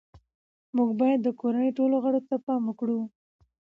موږ باید د کورنۍ ټولو غړو ته پام وکړو